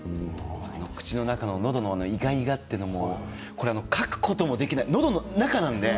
口の中ののどのいがいがというのはかくこともできないのどの中なので。